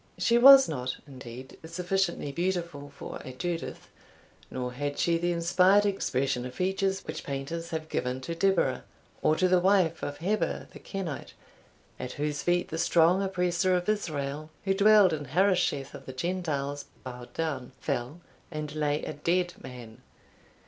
She was not, indeed, sufficiently beautiful for a Judith, nor had she the inspired expression of features which painters have given to Deborah, or to the wife of Heber the Kenite, at whose feet the strong oppressor of Israel, who dwelled in Harosheth of the Gentiles, bowed down, fell, and lay a dead man.